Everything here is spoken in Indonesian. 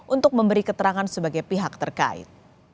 untuk memberi keterangan sebagai pihak terkait